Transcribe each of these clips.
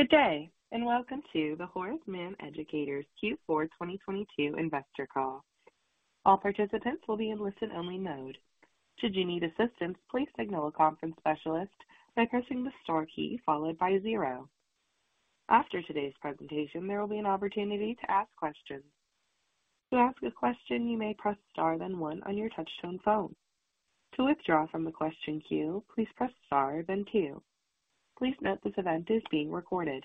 Good day, welcome to the Horace Mann Educators Q4 2022 investor call. All participants will be in listen-only mode. Should you need assistance, please signal a conference specialist by pressing the star key followed by zero. After today's presentation, there will be an opportunity to ask questions. To ask a question, you may press star then one on your touchtone phone. To withdraw from the question queue, please press star then two. Please note this event is being recorded.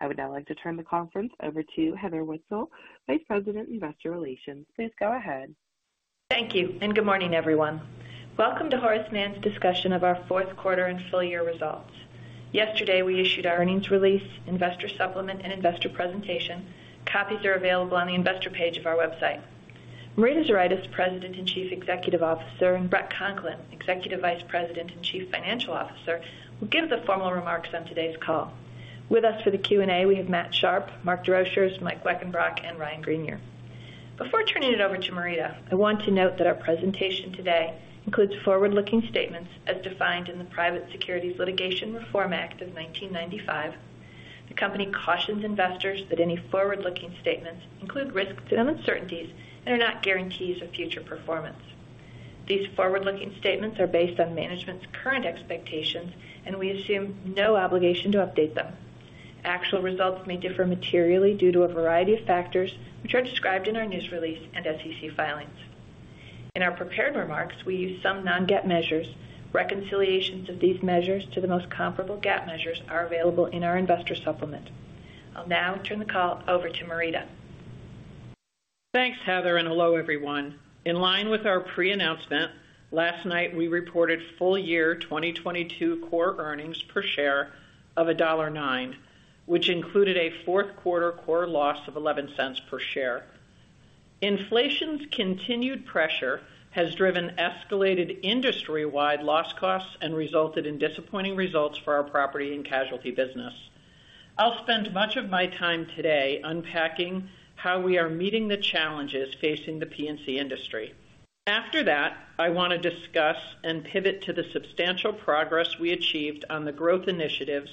I would now like to turn the conference over to Heather Wietzel, Vice President, Investor Relations. Please go ahead. Thank you, and good morning, everyone. Welcome to Horace Mann's discussion of our fourth quarter and full year results. Yesterday, we issued our earnings release, investor supplement, and investor presentation. Copies are available on the investor page of our website. Marita Zuraitis, President and Chief Executive Officer, and Bret Conklin, Executive Vice President and Chief Financial Officer, will give the formal remarks on today's call. With us for the Q&A, we have Matt Sharpe, Mark Desrochers, Mike Weckenbrock, and Ryan Greenier. Before turning it over to Marita, I want to note that our presentation today includes forward-looking statements as defined in the Private Securities Litigation Reform Act of 1995. The company cautions investors that any forward-looking statements include risks and uncertainties and are not guarantees of future performance. These forward-looking statements are based on management's current expectations, and we assume no obligation to update them. Actual results may differ materially due to a variety of factors which are described in our news release and SEC filings. In our prepared remarks, we use some non-GAAP measures. Reconciliations of these measures to the most comparable GAAP measures are available in our investor supplement. I'll now turn the call over to Marita. Thanks, Heather, hello, everyone. In line with our pre-announcement, last night we reported full year 2022 core earnings per share of $1.09, which included a fourth quarter core loss of $0.11 per share. Inflation's continued pressure has driven escalated industry-wide loss costs and resulted in disappointing results for our property and casualty business. I'll spend much of my time today unpacking how we are meeting the challenges facing the P&C industry. After that, I wanna discuss and pivot to the substantial progress we achieved on the growth initiatives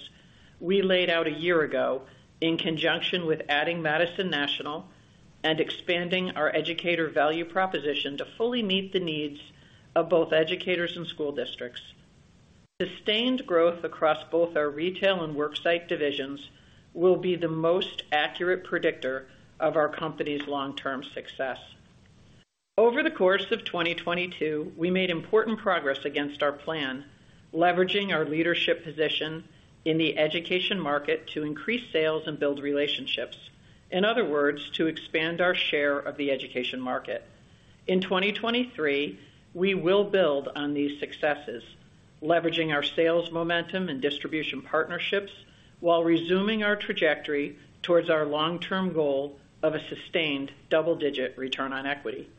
we laid out a year ago in conjunction with adding Madison National and expanding our Educator value proposition to fully meet the needs of both educators and school districts. Sustained growth across both our Retail and Worksite divisions will be the most accurate predictor of our company's long-term success. Over the course of 2022, we made important progress against our plan, leveraging our leadership position in the education market to increase sales and build relationships. In other words, to expand our share of the education market. In 2023, we will build on these successes, leveraging our sales momentum and distribution partnerships while resuming our trajectory towards our long-term goal of a sustained double-digit return on equity.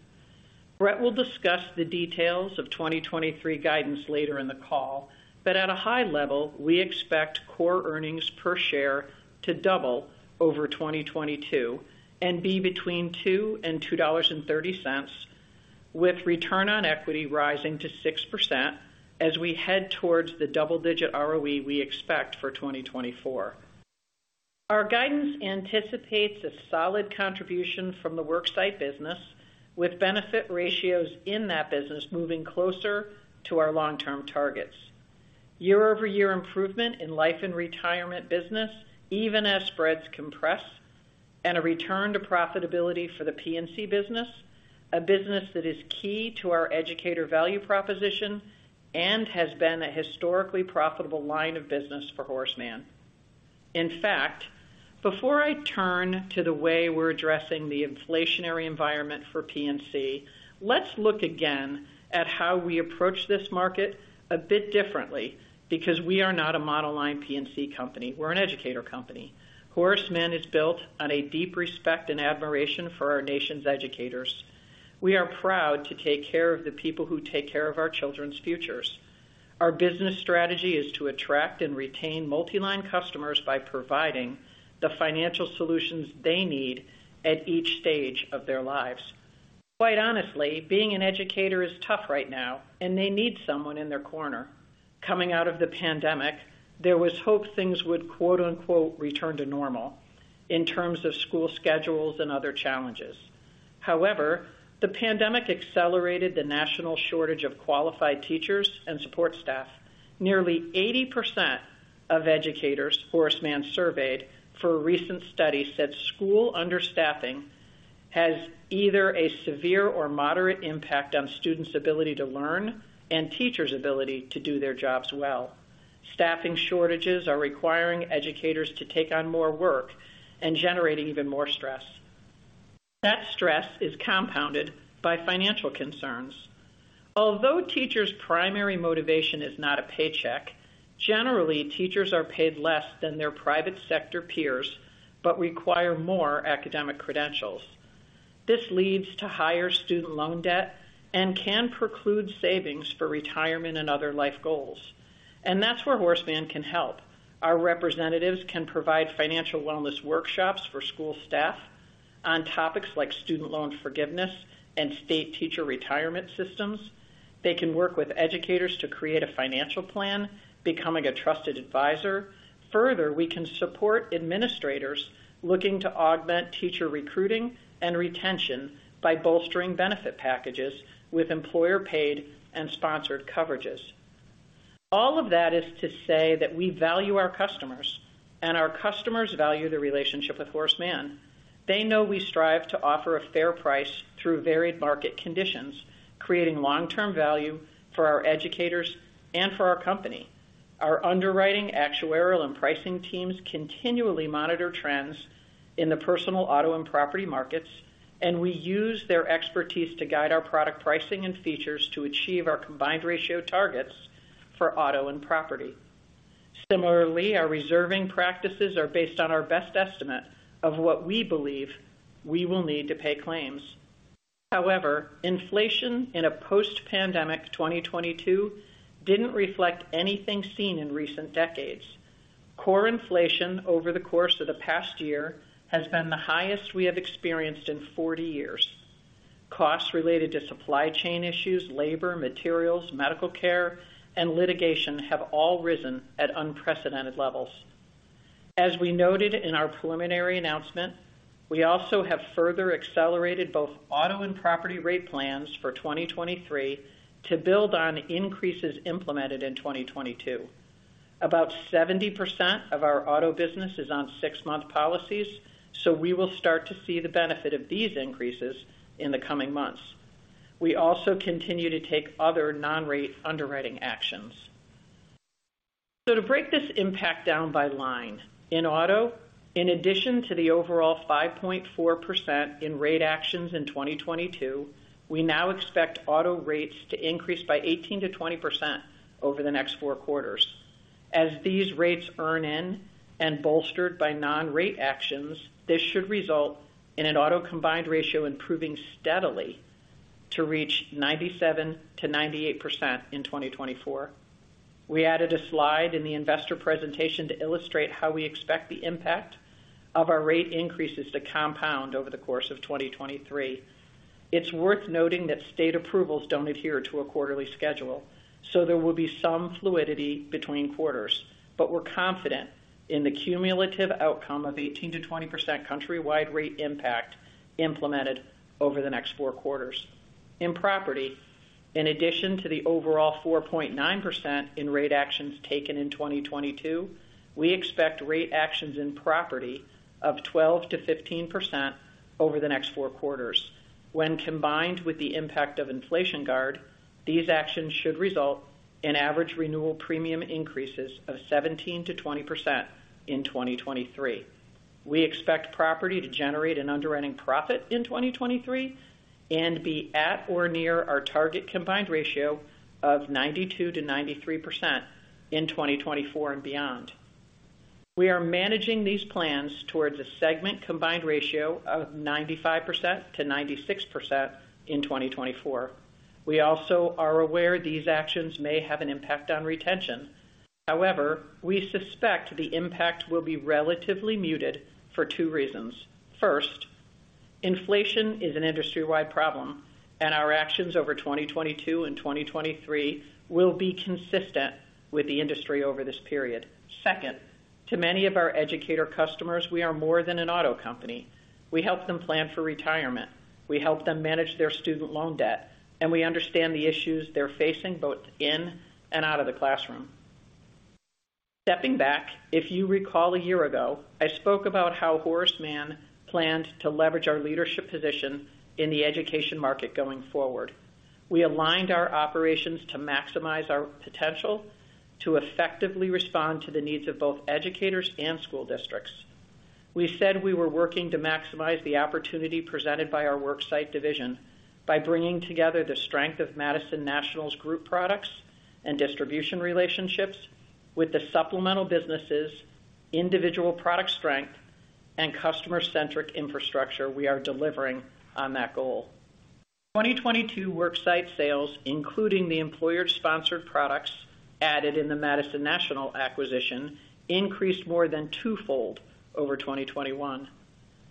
Bret will discuss the details of 2023 guidance later in the call, at a high level, we expect core earnings per share to double over 2022 and be between $2.00 and $2.30, with return on equity rising to 6% as we head towards the double-digit ROE we expect for 2024. Our guidance anticipates a solid contribution from the worksite business, with benefit ratios in that business moving closer to our long-term targets. Year-over-year improvement in Life and Retirement business, even as spreads compress, and a return to profitability for the P&C business, a business that is key to our Educator value proposition and has been a historically profitable line of business for Horace Mann. In fact, before I turn to the way we're addressing the inflationary environment for P&C, let's look again at how we approach this market a bit differently because we are not a monoline P&C company. We're an educator company. Horace Mann is built on a deep respect and admiration for our nation's educators. We are proud to take care of the people who take care of our children's futures. Our business strategy is to attract and retain multi-line customers by providing the financial solutions they need at each stage of their lives. Quite honestly, being an educator is tough right now, and they need someone in their corner. Coming out of the pandemic, there was hope things would, quote, unquote, "return to normal" in terms of school schedules and other challenges. However, the pandemic accelerated the national shortage of qualified teachers and support staff. Nearly 80% of educators Horace Mann surveyed for a recent study said school understaffing has either a severe or moderate impact on students' ability to learn and teachers' ability to do their jobs well. Staffing shortages are requiring educators to take on more work and generating even more stress. That stress is compounded by financial concerns. Although teachers' primary motivation is not a paycheck, generally, teachers are paid less than their private sector peers, but require more academic credentials. This leads to higher student loan debt and can preclude savings for retirement and other life goals. That's where Horace Mann can help. Our representatives can provide financial wellness workshops for school staff. On topics like student loan forgiveness and state teacher retirement systems, they can work with educators to create a financial plan, becoming a trusted advisor. We can support administrators looking to augment teacher recruiting and retention by bolstering benefit packages with employer-paid and sponsored coverages. All of that is to say that we value our customers, and our customers value the relationship with Horace Mann. They know we strive to offer a fair price through varied market conditions, creating long-term value for our educators and for our company. Our underwriting, actuarial, and pricing teams continually monitor trends in the personal auto and property markets, and we use their expertise to guide our product pricing and features to achieve our combined ratio targets for auto and property. Similarly, our reserving practices are based on our best estimate of what we believe we will need to pay claims. However, inflation in a post-pandemic 2022 didn't reflect anything seen in recent decades. Core inflation over the course of the past year has been the highest we have experienced in 40 years. Costs related to supply chain issues, labor, materials, medical care, and litigation have all risen at unprecedented levels. As we noted in our preliminary announcement, we also have further accelerated both auto and property rate plans for 2023 to build on increases implemented in 2022. About 70% of our auto business is on six-month policies, so we will start to see the benefit of these increases in the coming months. We also continue to take other non-rate underwriting actions. To break this impact down by line, in auto, in addition to the overall 5.4% in rate actions in 2022, we now expect auto rates to increase by 18%-20% over the next four quarters. As these rates earn in and bolstered by non-rate actions, this should result in an auto combined ratio improving steadily to reach 97%-98% in 2024. We added a slide in the investor presentation to illustrate how we expect the impact of our rate increases to compound over the course of 2023. It's worth noting that state approvals don't adhere to a quarterly schedule, so there will be some fluidity between quarters. We're confident in the cumulative outcome of 18%-20% countrywide rate impact implemented over the next four quarters. In property, in addition to the overall 4.9% in rate actions taken in 2022, we expect rate actions in property of 12%-15% over the next four quarters. When combined with the impact of inflation guard, these actions should result in average renewal premium increases of 17%-20% in 2023. We expect property to generate an underwriting profit in 2023 and be at or near our target combined ratio of 92%-93% in 2024 and beyond. We are managing these plans towards a segment combined ratio of 95%-96% in 2024. We also are aware these actions may have an impact on retention. However, we suspect the impact will be relatively muted for two reasons. First, inflation is an industry-wide problem, and our actions over 2022 and 2023 will be consistent with the industry over this period. Second, to many of our educator customers, we are more than an auto company. We help them plan for retirement. We help them manage their student loan debt, and we understand the issues they're facing both in and out of the classroom. Stepping back, if you recall a year ago, I spoke about how Horace Mann planned to leverage our leadership position in the education market going forward. We aligned our operations to maximize our potential to effectively respond to the needs of both educators and school districts. We said we were working to maximize the opportunity presented by our worksite division by bringing together the strength of Madison National's group products and distribution relationships with the supplemental businesses, individual product strength, and customer-centric infrastructure we are delivering on that goal. 2022 worksite sales, including the employer-sponsored products added in the Madison National acquisition, increased more than twofold over 2021.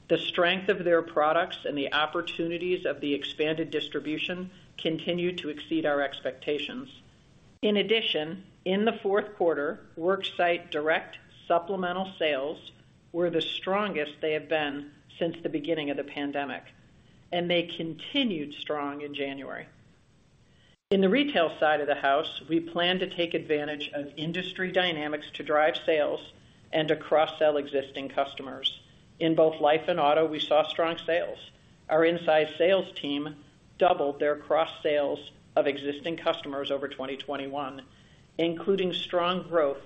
The strength of their products and the opportunities of the expanded distribution continued to exceed our expectations. In addition, in the fourth quarter, worksite direct supplemental sales were the strongest they have been since the beginning of the pandemic, and they continued strong in January. In the retail side of the house, we plan to take advantage of industry dynamics to drive sales and to cross-sell existing customers. In both life and auto, we saw strong sales. Our inside sales team doubled their cross-sales of existing customers over 2021, including strong growth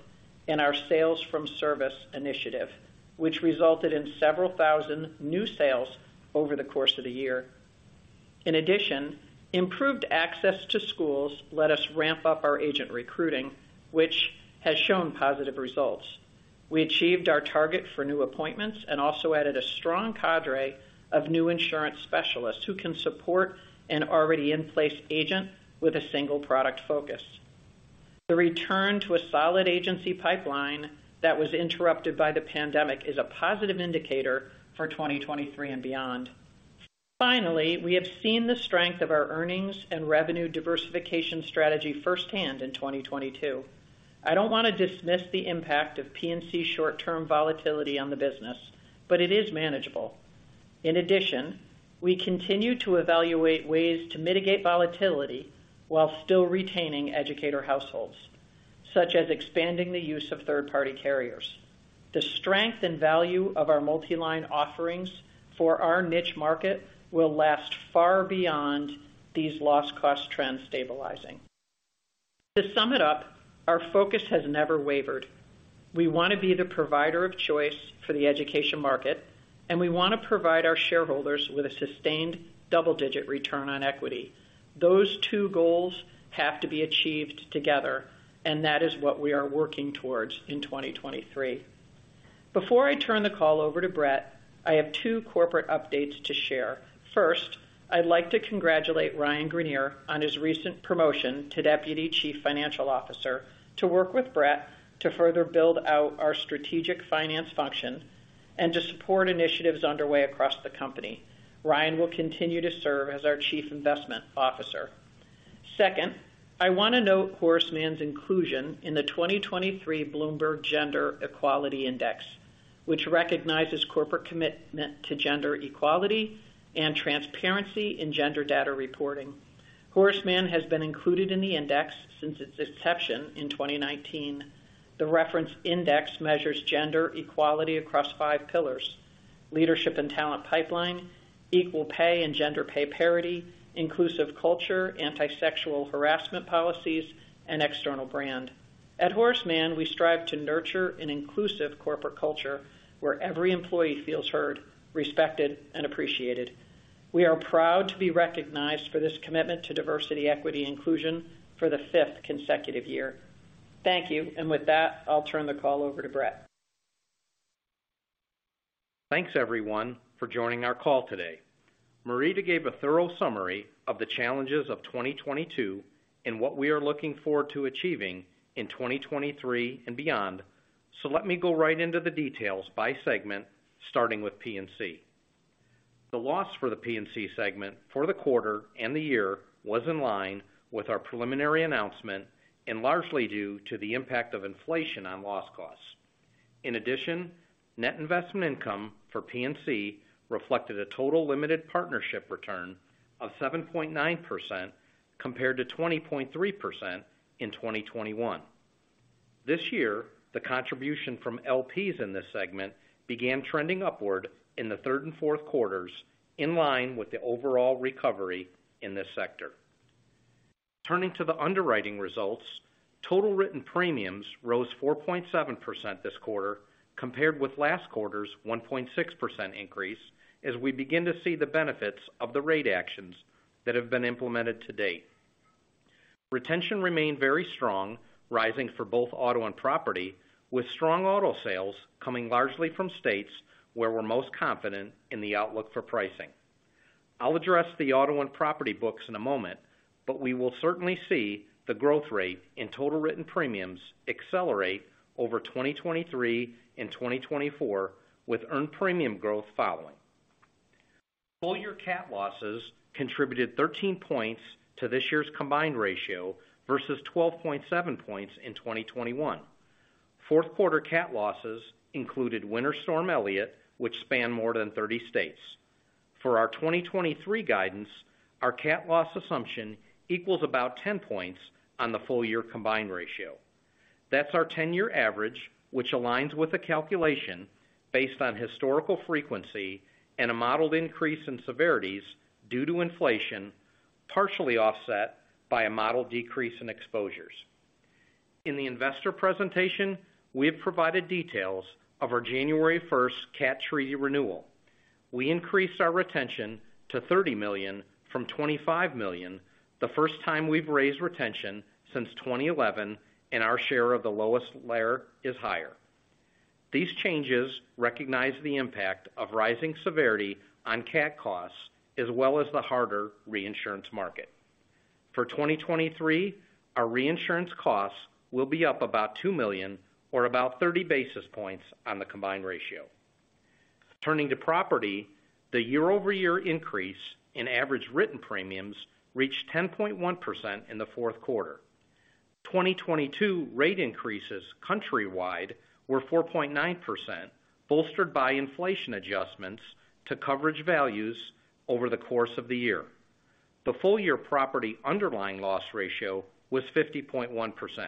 in our sales from service initiative, which resulted in several thousand new sales over the course of the year. Improved access to schools let us ramp up our agent recruiting, which has shown positive results. We achieved our target for new appointments and also added a strong cadre of new insurance specialists who can support an already in-place agent with a single product focus. The return to a solid agency pipeline that was interrupted by the pandemic is a positive indicator for 2023 and beyond. We have seen the strength of our earnings and revenue diversification strategy firsthand in 2022. I don't want to dismiss the impact of P&C short-term volatility on the business, but it is manageable. In addition, we continue to evaluate ways to mitigate volatility while still retaining educator households, such as expanding the use of third-party carriers. The strength and value of our multi-line offerings for our niche market will last far beyond these loss cost trends stabilizing. To sum it up, our focus has never wavered. We want to be the provider of choice for the education market, and we want to provide our shareholders with a sustained double-digit return on equity. Those two goals have to be achieved together, and that is what we are working towards in 2023. Before I turn the call over to Bret, I have two corporate updates to share. First, I'd like to congratulate Ryan Greenier on his recent promotion to Deputy Chief Financial Officer, to work with Bret to further build out our strategic finance function and to support initiatives underway across the company. Ryan will continue to serve as our chief investment officer. Second, I want to note Horace Mann's inclusion in the 2023 Bloomberg Gender-Equality Index, which recognizes corporate commitment to gender equality and transparency in gender data reporting. Horace Mann has been included in the index since its inception in 2019. The reference index measures gender equality across five pillars: leadership and talent pipeline, equal pay and gender pay parity, inclusive culture, anti-sexual harassment policies, and external brand. At Horace Mann, we strive to nurture an inclusive corporate culture where every employee feels heard, respected, and appreciated. We are proud to be recognized for this commitment to diversity, equity, and inclusion for the fifth consecutive year. Thank you. With that, I'll turn the call over to Bret. Thanks everyone for joining our call today. Marita gave a thorough summary of the challenges of 2022 and what we are looking forward to achieving in 2023 and beyond. Let me go right into the details by segment, starting with P&C. The loss for the P&C segment for the quarter and the year was in line with our preliminary announcement and largely due to the impact of inflation on loss costs. In addition, net investment income for P&C reflected a total limited partnership return of 7.9% compared to 20.3% in 2021. This year, the contribution from LPs in this segment began trending upward in the third and fourth quarters, in line with the overall recovery in this sector. Turning to the underwriting results, total written premiums rose 4.7% this quarter, compared with last quarter's 1.6% increase as we begin to see the benefits of the rate actions that have been implemented to date. Retention remained very strong, rising for both auto and property, with strong auto sales coming largely from states where we're most confident in the outlook for pricing. I'll address the auto and property books in a moment, but we will certainly see the growth rate in total written premiums accelerate over 2023 and 2024, with earned premium growth following. Full year cat losses contributed 13 points to this year's combined ratio versus 12.7 points in 2021. Fourth quarter cat losses included Winter Storm Elliott, which spanned more than 30 states. For our 2023 guidance, our cat loss assumption equals about 10 points on the full year combined ratio. That's our 10-year average, which aligns with a calculation based on historical frequency and a modeled increase in severities due to inflation, partially offset by a modeled decrease in exposures. In the investor presentation, we have provided details of our January 1st cat treaty renewal. We increased our retention to $30 million from $25 million, the first time we've raised retention since 2011, and our share of the lowest layer is higher. These changes recognize the impact of rising severity on cat costs as well as the harder reinsurance market. For 2023, our reinsurance costs will be up about $2 million or about 30 basis points on the combined ratio. Turning to property, the year-over-year increase in average written premiums reached 10.1% in the fourth quarter. 2022 rate increases countrywide were 4.9%, bolstered by inflation adjustments to coverage values over the course of the year. The full year property underlying loss ratio was 50.1%.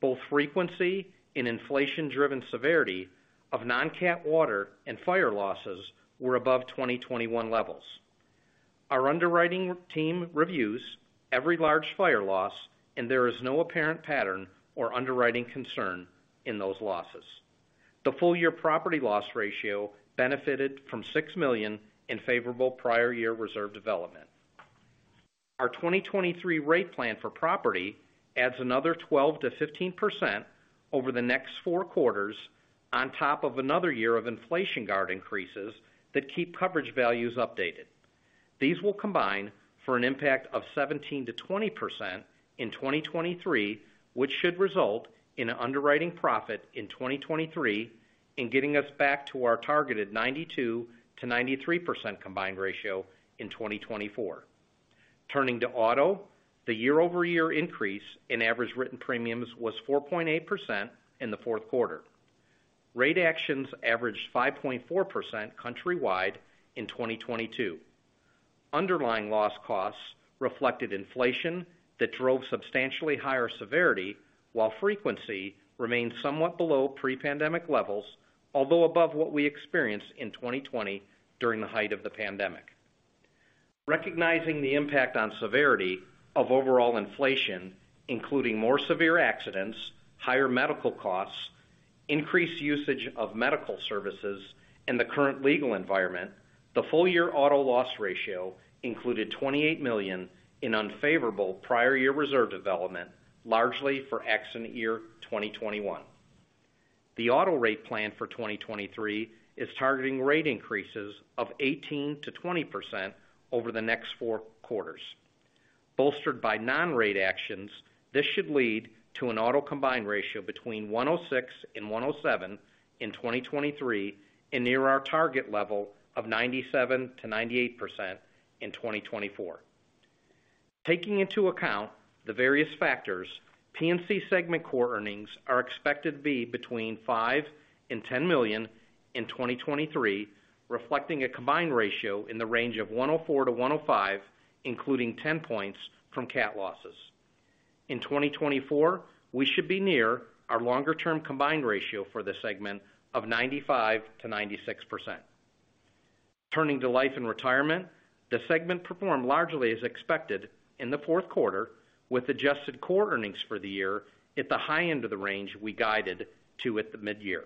Both frequency and inflation-driven severity of non-cat water and fire losses were above 2021 levels. Our underwriting team reviews every large fire loss, and there is no apparent pattern or underwriting concern in those losses. The full year property loss ratio benefited from $6 million in favorable prior year reserve development. Our 2023 rate plan for property adds another 12%-15% over the next four quarters on top of another year of inflation guard increases that keep coverage values updated. These will combine for an impact of 17%-20% in 2023, which should result in underwriting profit in 2023 and getting us back to our targeted 92%-93% combined ratio in 2024. Turning to auto, the year-over-year increase in average written premiums was 4.8% in the fourth quarter. Rate actions averaged 5.4% countrywide in 2022. Underlying loss costs reflected inflation that drove substantially higher severity, while frequency remained somewhat below pre-pandemic levels, although above what we experienced in 2020 during the height of the pandemic. Recognizing the impact on severity of overall inflation, including more severe accidents, higher medical costs, increased usage of medical services, and the current legal environment, the full year auto loss ratio included $28 million in unfavorable prior year reserve development, largely for accident year 2021. The auto rate plan for 2023 is targeting rate increases of 18%-20% over the next four quarters. Bolstered by non-rate actions, this should lead to an auto combined ratio between 106 and 107 in 2023 and near our target level of 97%-98% in 2024. Taking into account the various factors, P&C segment core earnings are expected to be between $5 million and $10 million in 2023, reflecting a combined ratio in the range of 104-105, including 10 points from cat losses. In 2024, we should be near our longer-term combined ratio for this segment of 95%-96%. Turning to life and retirement, the segment performed largely as expected in the fourth quarter, with adjusted core earnings for the year at the high end of the range we guided to at the mid-year.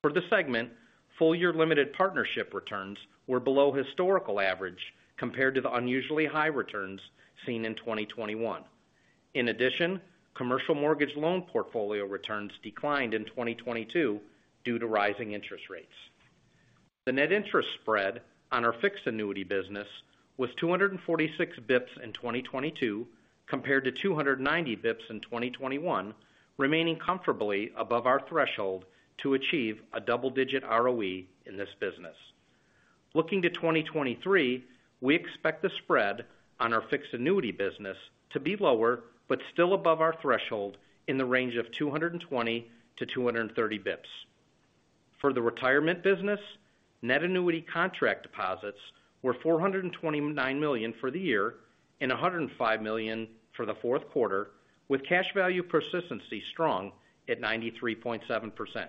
For the segment, full year limited partnership returns were below historical average compared to the unusually high returns seen in 2021. In addition, commercial mortgage loan portfolio returns declined in 2022 due to rising interest rates. The net interest spread on our fixed annuity business was 246 basis points in 2022 compared to 290 basis points in 2021, remaining comfortably above our threshold to achieve a double-digit ROE in this business. Looking to 2023, we expect the spread on our fixed annuity business to be lower, but still above our threshold in the range of 220-230 basis points. For the retirement business, net annuity contract deposits were $429 million for the year and $105 million for the fourth quarter, with cash value persistency strong at 93.7%.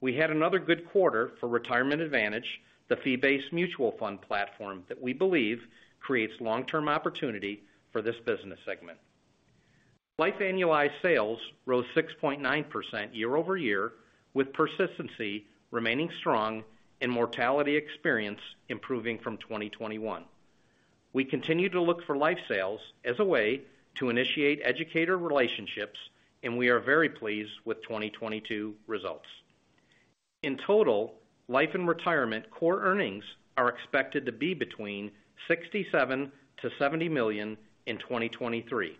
We had another good quarter for Retirement Advantage, the fee-based mutual fund platform that we believe creates long-term opportunity for this business segment. Life annualized sales rose 6.9% year-over-year, with persistency remaining strong and mortality experience improving from 2021. We continue to look for life sales as a way to initiate educator relationships. We are very pleased with 2022 results. In total, Life and Retirement core earnings are expected to be between $67 million-$70 million in 2023.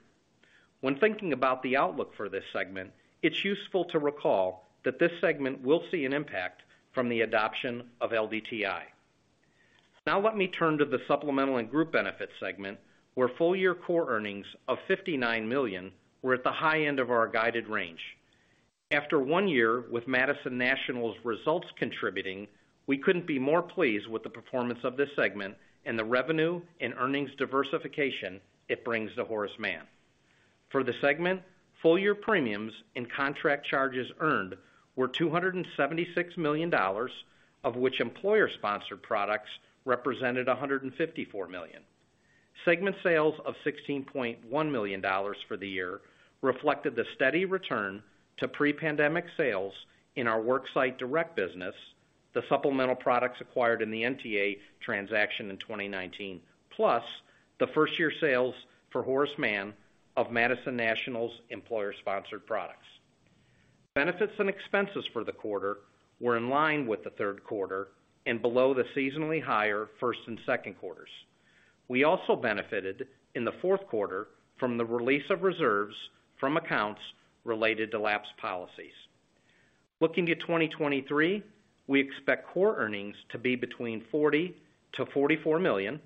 When thinking about the outlook for this segment, it's useful to recall that this segment will see an impact from the adoption of LDTI. Let me turn to the Supplemental and Group Benefits segment, where full year core earnings of $59 million were at the high end of our guided range. After one year with Madison National's results contributing, we couldn't be more pleased with the performance of this segment and the revenue and earnings diversification it brings to Horace Mann. For the segment, full year premiums and contract charges earned were $276 million, of which employer-sponsored products represented $154 million. Segment sales of $16.1 million for the year reflected the steady return to pre-pandemic sales in our worksite direct business, the supplemental products acquired in the NTA transaction in 2019, plus the first year sales for Horace Mann of Madison National's employer-sponsored products. Benefits and expenses for the quarter were in line with the third quarter and below the seasonally higher first and second quarters. We also benefited in the fourth quarter from the release of reserves from accounts related to lapsed policies. Looking at 2023, we expect core earnings to be between $40 million-$44 million.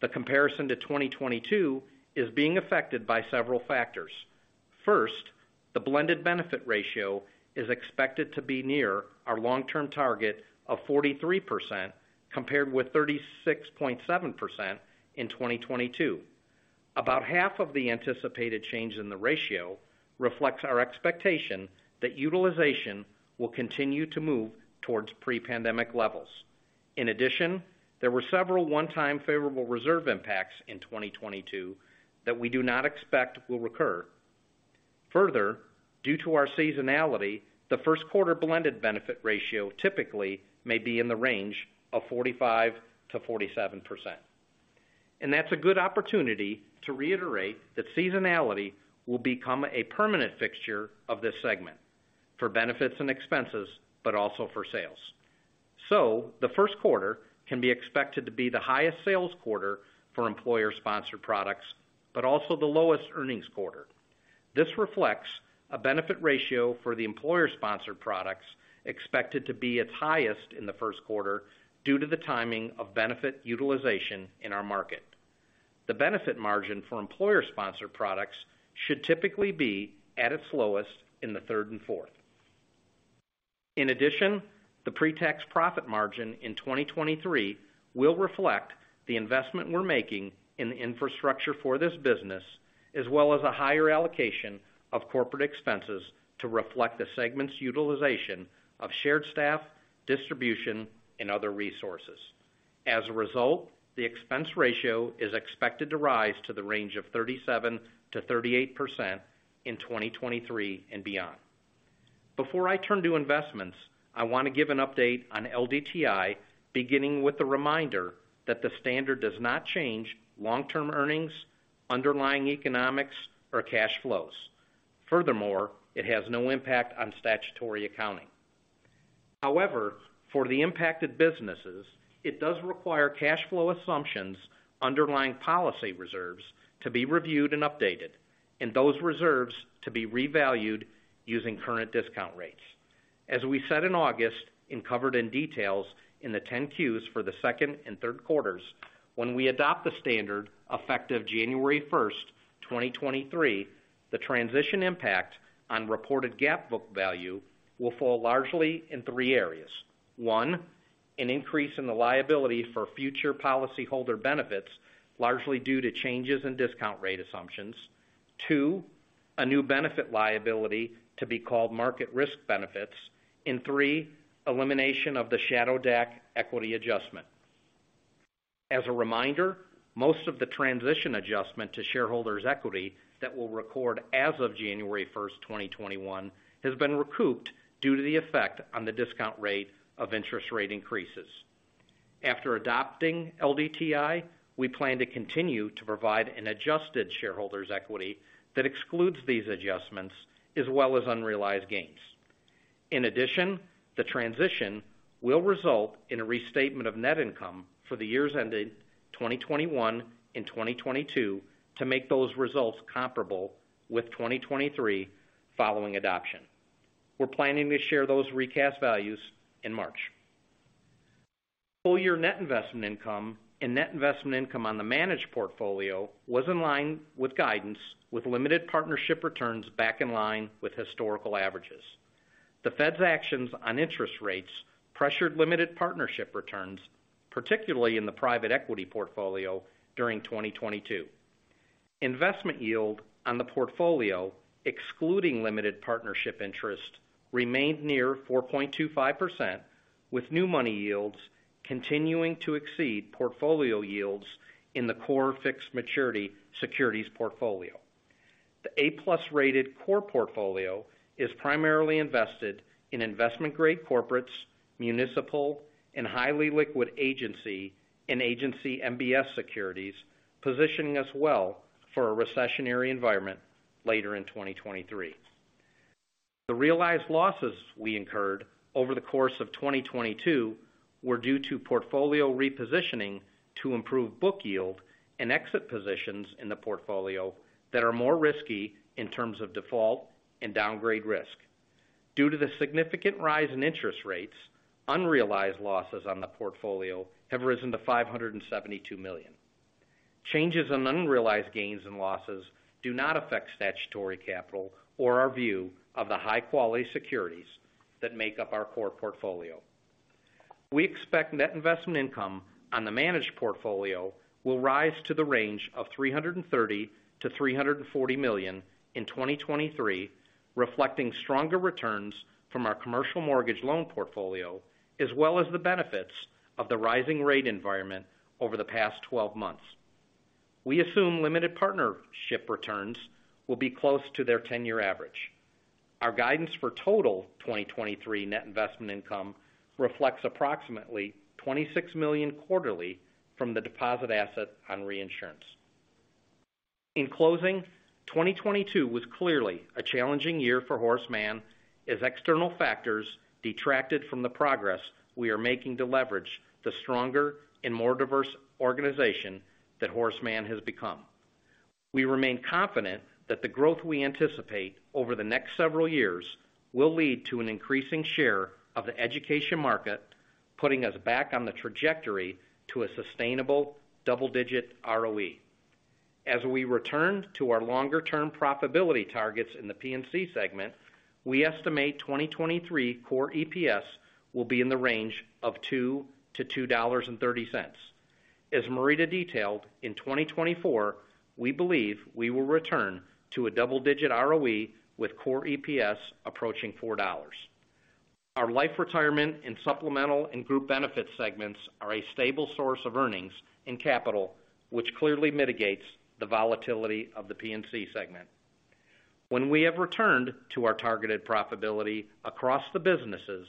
The comparison to 2022 is being affected by several factors. First, the blended benefit ratio is expected to be near our long-term target of 43%, compared with 36.7% in 2022. About half of the anticipated change in the ratio reflects our expectation that utilization will continue to move towards pre-pandemic levels. In addition, there were several one-time favorable reserve impacts in 2022 that we do not expect will recur. Further, due to our seasonality, the first quarter blended benefit ratio typically may be in the range of 45%-47%. That's a good opportunity to reiterate that seasonality will become a permanent fixture of this segment for benefits and expenses, but also for sales. The first quarter can be expected to be the highest sales quarter for employer-sponsored products, but also the lowest earnings quarter. This reflects a benefit ratio for the employer-sponsored products expected to be its highest in the first quarter due to the timing of benefit utilization in our market. The benefit margin for employer-sponsored products should typically be at its lowest in the third and fourth. The pre-tax profit margin in 2023 will reflect the investment we're making in the infrastructure for this business, as well as a higher allocation of corporate expenses to reflect the segment's utilization of shared staff, distribution, and other resources. The expense ratio is expected to rise to the range of 37%-38% in 2023 and beyond. Before I turn to investments, I want to give an update on LDTI, beginning with the reminder that the standard does not change long-term earnings, underlying economics or cash flows. It has no impact on statutory accounting. For the impacted businesses, it does require cash flow assumptions underlying policy reserves to be reviewed and updated, and those reserves to be revalued using current discount rates. As we said in August and covered in details in the 10-Qs for the second and third quarters, when we adopt the standard effective January 1st, 2023, the transition impact on reported GAAP book value will fall largely in three areas. One, an increase in the liability for future policyholder benefits, largely due to changes in discount rate assumptions. Two, a new benefit liability to be called market risk benefits, and three, elimination of the shadow DAC equity adjustment. As a reminder, most of the transition adjustment to shareholders' equity that we'll record as of January 1st, 2021 has been recouped due to the effect on the discount rate of interest rate increases. After adopting LDTI, we plan to continue to provide an adjusted shareholders' equity that excludes these adjustments as well as unrealized gains. The transition will result in a restatement of net income for the years ending 2021 and 2022 to make those results comparable with 2023 following adoption. We're planning to share those recast values in March. Full year net investment income and net investment income on the managed portfolio was in line with guidance with limited partnership returns back in line with historical averages. The Fed's actions on interest rates pressured limited partnership returns, particularly in the private equity portfolio during 2022. Investment yield on the portfolio, excluding limited partnership interest, remained near 4.25%, with new money yields continuing to exceed portfolio yields in the core fixed maturity securities portfolio. The A+ rated core portfolio is primarily invested in investment-grade corporates, municipal, and highly liquid agency and agency MBS securities, positioning us well for a recessionary environment later in 2023. The realized losses we incurred over the course of 2022 were due to portfolio repositioning to improve book yield and exit positions in the portfolio that are more risky in terms of default and downgrade risk. Due to the significant rise in interest rates, unrealized losses on the portfolio have risen to $572 million. Changes in unrealized gains and losses do not affect statutory capital or our view of the high-quality securities that make up our core portfolio. We expect net investment income on the managed portfolio will rise to the range of $330 million-$340 million in 2023, reflecting stronger returns from our commercial mortgage loan portfolio, as well as the benefits of the rising rate environment over the past 12 months. We assume limited partnership returns will be close to their 10-year average. Our guidance for total 2023 net investment income reflects approximately $26 million quarterly from the deposit asset on reinsurance. In closing, 2022 was clearly a challenging year for Horace Mann as external factors detracted from the progress we are making to leverage the stronger and more diverse organization that Horace Mann has become. We remain confident that the growth we anticipate over the next several years will lead to an increasing share of the education market, putting us back on the trajectory to a sustainable double-digit ROE. As we return to our longer-term profitability targets in the P&C segment, we estimate 2023 core EPS will be in the range of $2.00-$2.30. As Marita detailed, in 2024, we believe we will return to a double-digit ROE with core EPS approaching $4.00. Our life retirement and supplemental and group benefits segments are a stable source of earnings and capital, which clearly mitigates the volatility of the P&C segment. When we have returned to our targeted profitability across the businesses,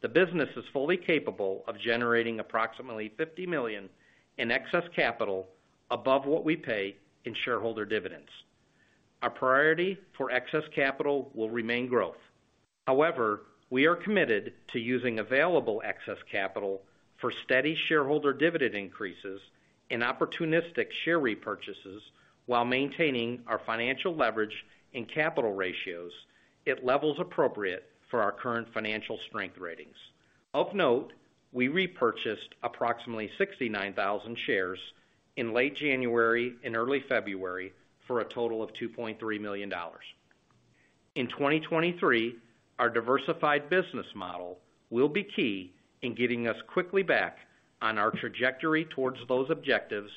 the business is fully capable of generating approximately $50 million in excess capital above what we pay in shareholder dividends. Our priority for excess capital will remain growth. However, we are committed to using available excess capital for steady shareholder dividend increases and opportunistic share repurchases while maintaining our financial leverage and capital ratios at levels appropriate for our current financial strength ratings. Of note, we repurchased approximately 69,000 shares in late January and early February for a total of $2.3 million. In 2023, our diversified business model will be key in getting us quickly back on our trajectory towards those objectives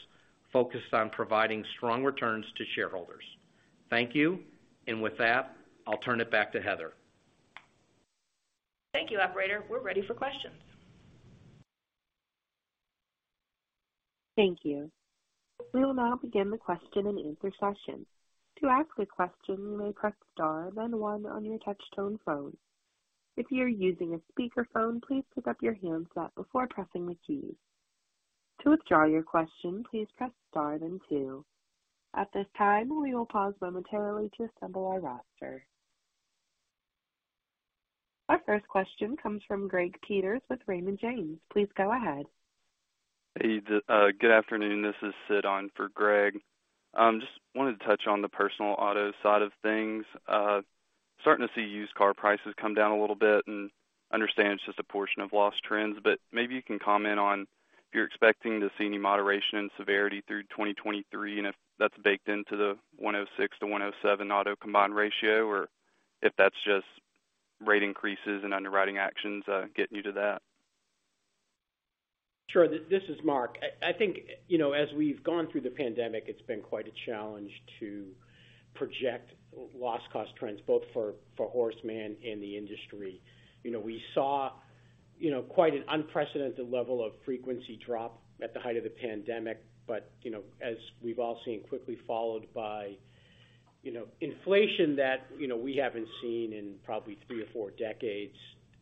focused on providing strong returns to shareholders. Thank you. With that, I'll turn it back to Heather. Thank you. Operator, we're ready for questions. Thank you. We will now begin the Q&A session. To ask a question, you may press star then one on your touchtone phone. If you're using a speaker phone, please pick up your handset before pressing the keys. To withdraw your question, please press star then two. At this time, we will pause momentarily to assemble our roster. Our first question comes from Greg Peters with Raymond James. Please go ahead. Hey, good afternoon. This is Sid on for Greg. Just wanted to touch on the personal auto side of things. Starting to see used car prices come down a little bit and understand it's just a portion of lost trends, but maybe you can comment on if you're expecting to see any moderation in severity through 2023, and if that's baked into the 106%-107% auto combined ratio, or if that's just rate increases and underwriting actions, getting you to that. Sure. This is Mark. I think, you know, as we've gone through the pandemic, it's been quite a challenge to project loss cost trends both for Horace Mann and the industry. You know, we saw, you know, quite an unprecedented level of frequency drop at the height of the pandemic. You know, as we've all seen, quickly followed by, you know, inflation that, you know, we haven't seen in probably three or four decades,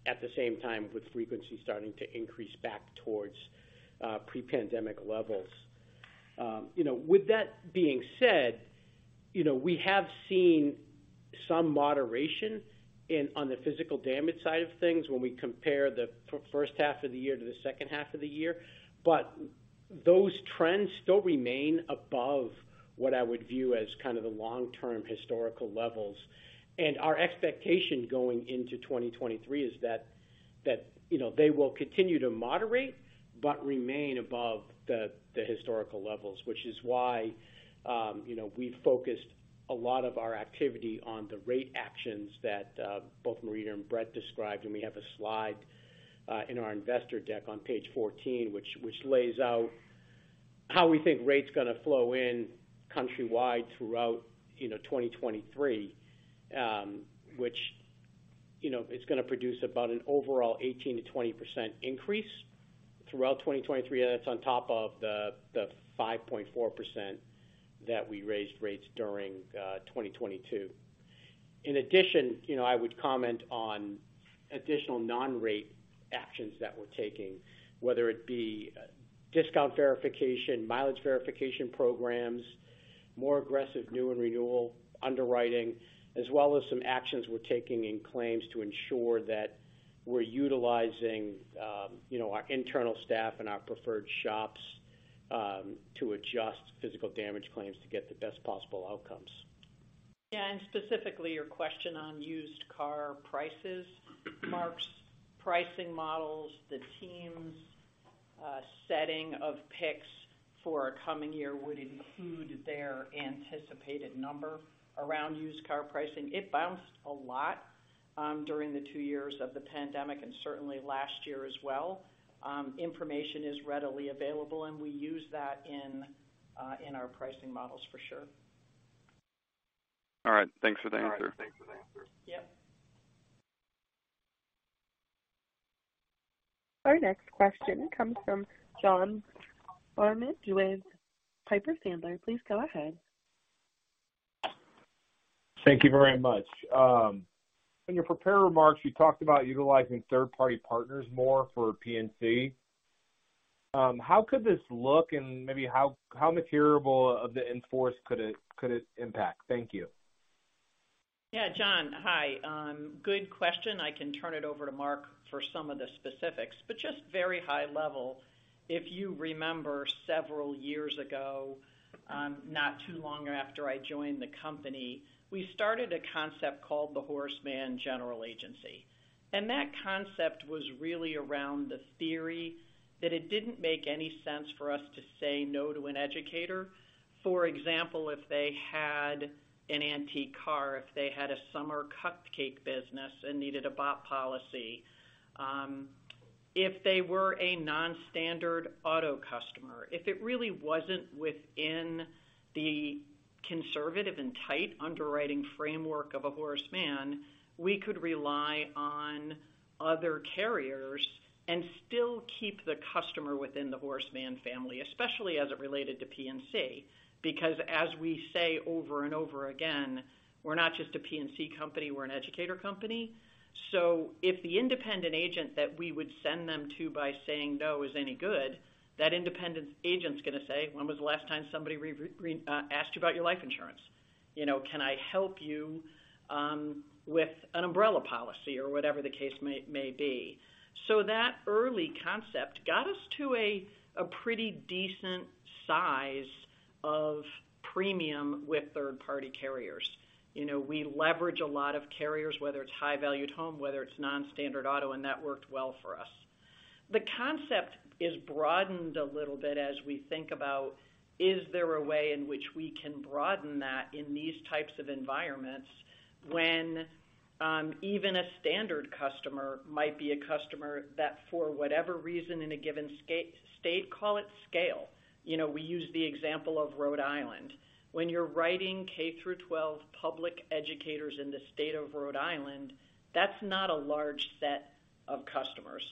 at the same time with frequency starting to increase back towards pre-pandemic levels. You know, with that being said, you know, we have seen some moderation on the physical damage side of things when we compare the first half of the year to the second half of the year. Those trends still remain above what I would view as kind of the long-term historical levels. Our expectation going into 2023 is that, you know, they will continue to moderate but remain above the historical levels, which is why, you know, we've focused a lot of our activity on the rate actions that both Marita and Bret described. We have a slide in our investor deck on page 14, which lays out how we think rate's gonna flow in countrywide throughout, you know, 2023, which, you know, it's gonna produce about an overall 18%-20% increase throughout 2023. That's on top of the 5.4% that we raised rates during 2022. In addition, you know, I would comment on additional non-rate actions that we're taking, whether it be discount verification, mileage verification programs, more aggressive new and renewal underwriting, as well as some actions we're taking in claims to ensure that we're utilizing, you know, our internal staff and our preferred shops, to adjust physical damage claims to get the best possible outcomes. Yeah. Specifically, your question on used car prices. Mark's pricing models, the teams, setting of picks for a coming year would include their anticipated number around used car pricing. It bounced a lot during the two years of the pandemic and certainly last year as well. Information is readily available, and we use that in our pricing models for sure. All right. Thanks for the answer. Yep. Our next question comes from John Barnidge with Piper Sandler. Please go ahead. Thank you very much. In your prepared remarks, you talked about utilizing third-party partners more for P&C. How could this look and maybe how material of the enforce could it impact? Thank you. Yeah, John. Hi. Good question. I can turn it over to Mark for some of the specifics. Just very high level, if you remember several years ago, not too long after I joined the company, we started a concept called the Horace Mann General Agency. That concept was really around the theory that it didn't make any sense for us to say no to an educator. For example, if they had an antique car, if they had a summer cupcake business and needed a BOP policy, if they were a non-standard auto customer, if it really wasn't within the conservative and tight underwriting framework of a Horace Mann, we could rely on other carriers and still keep the customer within the Horace Mann family, especially as it related to P&C. As we say over and over again, we're not just a P&C company, we're an educator company. If the independent agent that we would send them to by saying no is any good, that independent agent's gonna say, "When was the last time somebody re-asked you about your life insurance? You know, can I help you with an umbrella policy?" Whatever the case may be. That early concept got us to a pretty decent size of premium with third-party carriers. You know, we leverage a lot of carriers, whether it's high valued home, whether it's non-standard auto, and that worked well for us. The concept is broadened a little bit as we think about, is there a way in which we can broaden that in these types of environments when, even a standard customer might be a customer that for whatever reason in a given state, call it scale. You know, we use the example of Rhode Island. When you're writing K-12 public educators in the state of Rhode Island, that's not a large set of customers.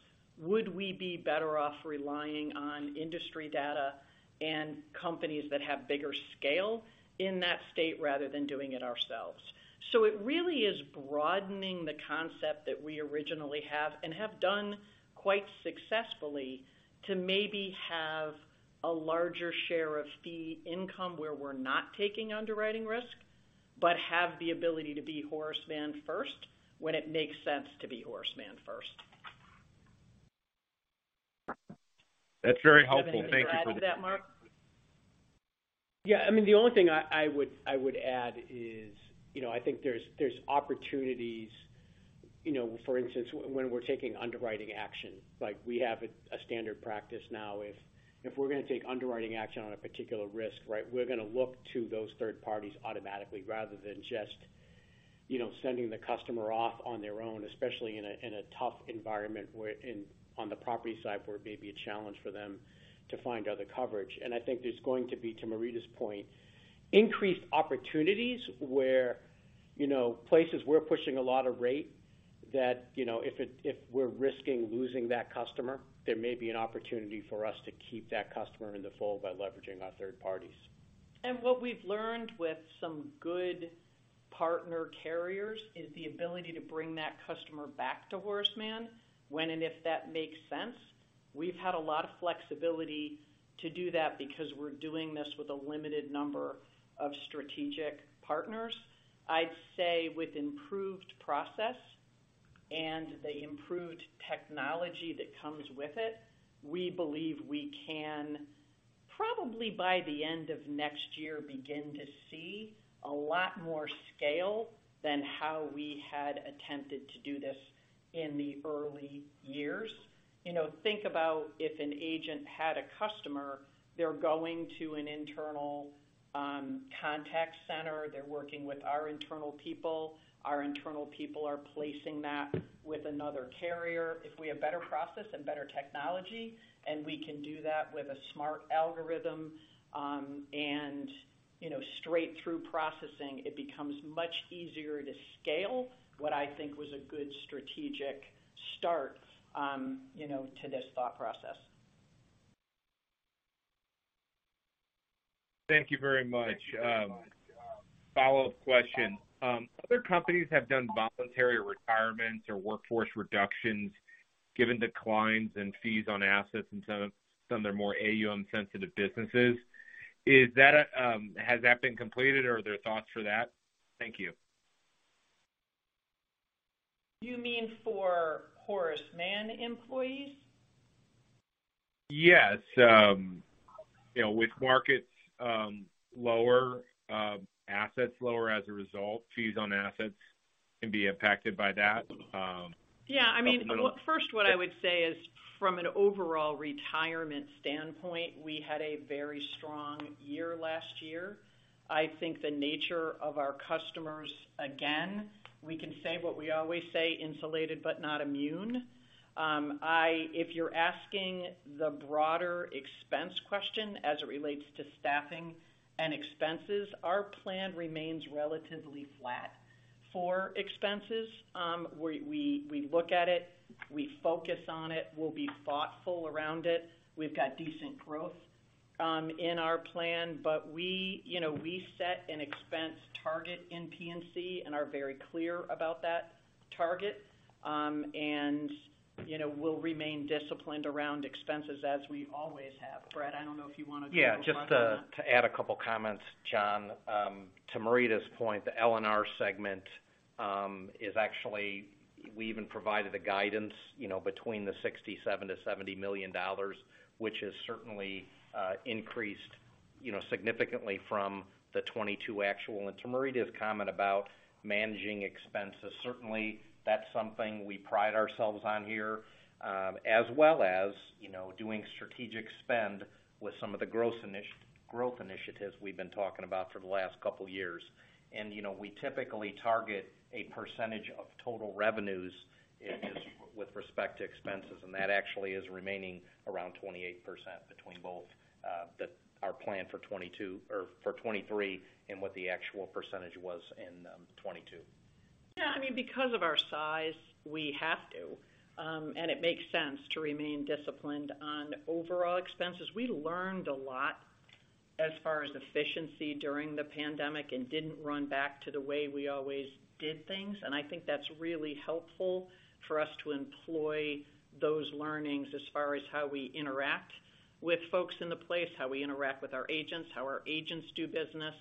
Would we be better off relying on industry data and companies that have bigger scale in that state rather than doing it ourselves? It really is broadening the concept that we originally have and have done quite successfully to maybe have a larger share of fee income where we're not taking underwriting risk, but have the ability to be Horace Mann first when it makes sense to be Horace Mann first. That's very helpful. Thank you for that. Anything to add to that, Mark? Yeah. I mean, the only thing I would add is, you know, I think there's opportunities. You know, for instance, when we're taking underwriting action, like we have a standard practice now. If we're gonna take underwriting action on a particular risk, right, we're gonna look to those third parties automatically rather than just, you know, sending the customer off on their own, especially in a tough environment on the property side, where it may be a challenge for them to find other coverage. I think there's going to be, to Marita's point, increased opportunities where, you know, places we're pushing a lot of rate that, you know, if we're risking losing that customer, there may be an opportunity for us to keep that customer in the fold by leveraging our third parties. What we've learned with some good partner carriers is the ability to bring that customer back to Horace Mann when and if that makes sense. We've had a lot of flexibility to do that because we're doing this with a limited number of strategic partners. I'd say with improved process and the improved technology that comes with it, we believe we can probably by the end of next year begin to see a lot more scale than how we had attempted to do this in the early years. You know, think about if an agent had a customer, they're going to an internal contact center. They're working with our internal people. Our internal people are placing that with another carrier. If we have better process and better technology, and we can do that with a smart algorithm, and, you know, straight through processing, it becomes much easier to scale what I think was a good strategic start, you know, to this thought process. Thank you very much. Follow-up question. Other companies have done voluntary retirements or workforce reductions given declines in fees on assets in some of their more AUM sensitive businesses. Is that, has that been completed, or are there thoughts for that? Thank you. You mean for Horace Mann employees? Yes. You know, with markets lower, assets lower as a result, fees on assets can be impacted by that. Yeah. I mean, well, first, what I would say is from an overall retirement standpoint, we had a very strong year last year. I think the nature of our customers, again, we can say what we always say, insulated but not immune. If you're asking the broader expense question as it relates to staffing and expenses, our plan remains relatively flat for expenses. We look at it, we focus on it, we'll be thoughtful around it. We've got decent growth in our plan. We, you know, we set an expense target in P&C and are very clear about that target. You know, we'll remain disciplined around expenses as we always have. Fred, I don't know if you wanna go further on that. Just to add a couple comments, John. To Marita's point, the L&R segment is actually we even provided a guidance, you know, between $67 million-$70 million, which has certainly increased, you know, significantly from the 2022 actual. To Marita's comment about managing expenses, certainly that's something we pride ourselves on here, as well as, you know, doing strategic spend with some of the growth initiatives we've been talking about for the last couple years. You know, we typically target a percentage of total revenues in this with respect to expenses, and that actually is remaining around 28% between both our plan for 2022 or for 2023 and what the actual percentage was in 2022. Yeah. I mean, because of our size, we have to, it makes sense to remain disciplined on overall expenses. We learned a lot. As far as efficiency during the pandemic and didn't run back to the way we always did things. I think that's really helpful for us to employ those learnings as far as how we interact with folks in the place, how we interact with our agents, how our agents do business,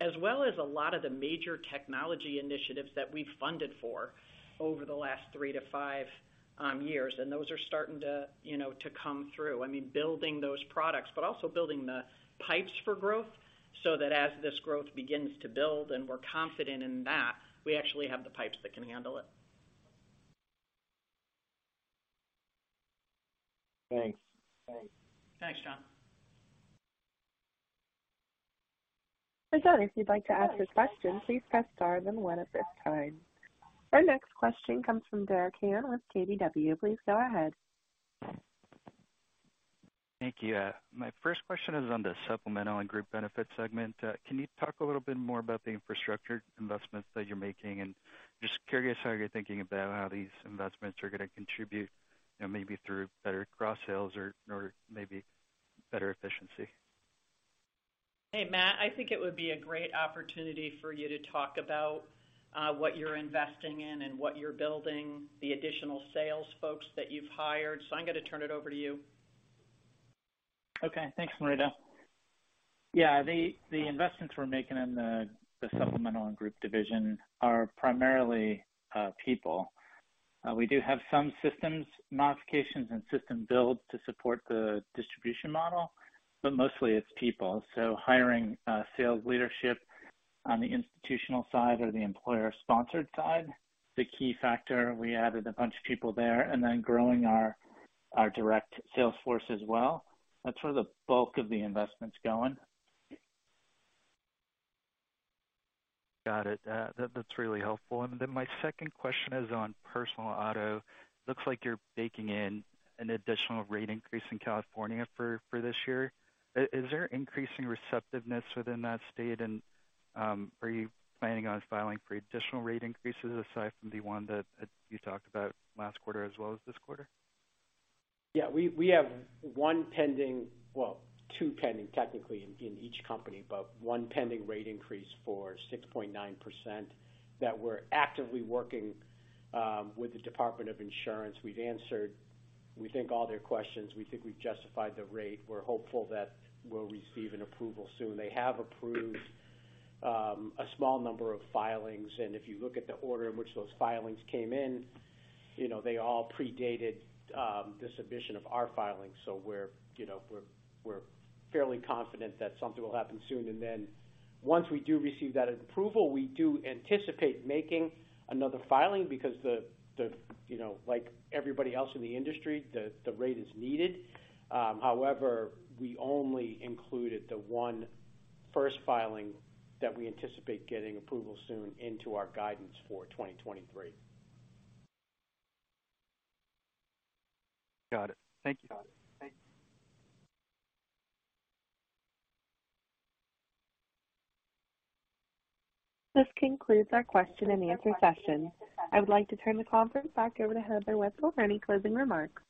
as well as a lot of the major technology initiatives that we've funded for over the last three to five years. Those are starting to, you know, to come through. I mean, building those products, but also building the pipes for growth so that as this growth begins to build and we're confident in that, we actually have the pipes that can handle it. Thanks. Thanks. Thanks, John. If you'd like to ask a question, please press star then one at this time. Our next question comes from Derek Han with KBW. Please go ahead. Thank you. My first question is on the Supplemental and Group Benefits segment. Can you talk a little bit more about the infrastructure investments that you're making? Just curious how you're thinking about how these investments are going to contribute, you know, maybe through better cross sales or maybe better efficiency? Hey, Matt, I think it would be a great opportunity for you to talk about what you're investing in and what you're building, the additional sales folks that you've hired. I'm going to turn it over to you. Okay, thanks, Marita. The investments we're making in the Supplemental and Group Division are primarily people. We do have some systems modifications and system builds to support the distribution model, but mostly it's people. Hiring sales leadership on the institutional side or the employer-sponsored side. The key factor, we added a bunch of people there and then growing our direct sales force as well. That's where the bulk of the investment's going. Got it. That's really helpful. My second question is on personal auto. Looks like you're baking in an additional rate increase in California for this year. Is there increasing receptiveness within that state? Are you planning on filing for additional rate increases aside from the one that you talked about last quarter as well as this quarter? We have one pending, two pending technically in each company, but one pending rate increase for 6.9% that we're actively working with the Department of Insurance. We've answered, we think, all their questions. We think we've justified the rate. We're hopeful that we'll receive an approval soon. They have approved a small number of filings. If you look at the order in which those filings came in, you know, they all predated the submission of our filings. We're, you know, we're fairly confident that something will happen soon. Once we do receive that approval, we do anticipate making another filing because the, you know, like everybody else in the industry, the rate is needed. We only included the one first filing that we anticipate getting approval soon into our guidance for 2023. Got it. Thank you. This concludes our question and answer session. I would like to turn the conference back over to Heather Wietzel for any closing remarks.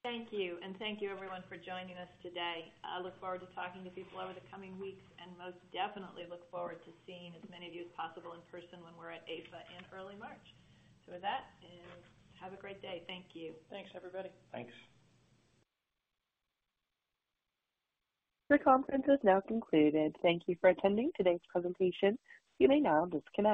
Thank you. Thank you everyone for joining us today. I look forward to talking to people over the coming weeks and most definitely look forward to seeing as many of you as possible in person when we're at APA in early March. With that, and have a great day. Thank you. Thanks, everybody. Thanks. The conference has now concluded. Thank You for attending today's presentation. You may now disconnect.